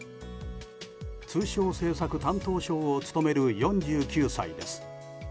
通商政策担当相を務める４９歳です。